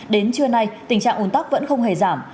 đến trưa nay tình trạng ồn tắc vẫn không hề giảm